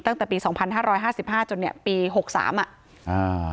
ตั้งแต่ปีสองพันห้าร้อยห้าสิบห้าจนเนี้ยปีหกสามอ่ะอ่า